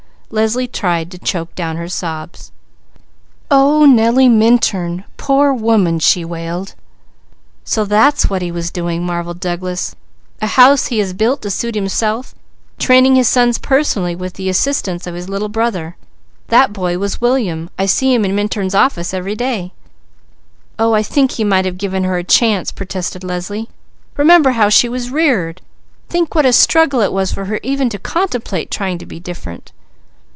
Leslie tried to choke down her sobs. "Oh Nellie Minturn! Poor woman!" she wailed. "So that's what he was doing!" marvelled Douglas. "A house he has built to suit himself; training his sons personally, with the assistance of his Little Brother. That boy was William. I see him in Minturn's office every day." "Oh I think he might have given her a chance!" protested Leslie. "Remember how she was reared! Think what a struggle it was for her even to contemplate trying to be different."